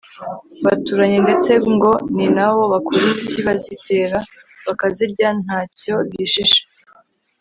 baturanye ndetse ngo ni naho bakura imiti bazitera bakazirya ntacyo bishisha